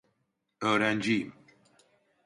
Öğrenciyim.